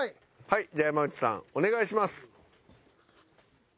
はいじゃあ山内さんお願いします。